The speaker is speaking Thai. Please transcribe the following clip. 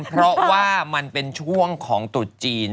เพราะว่ามันเป็นช่วงของตรุษจีน